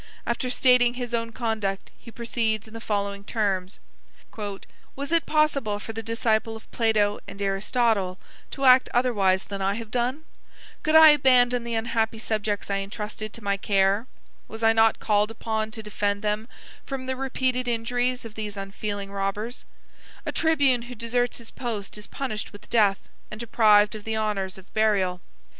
After stating his own conduct, he proceeds in the following terms: "Was it possible for the disciple of Plato and Aristotle to act otherwise than I have done? Could I abandon the unhappy subjects intrusted to my care? Was I not called upon to defend them from the repeated injuries of these unfeeling robbers? A tribune who deserts his post is punished with death, and deprived of the honors of burial.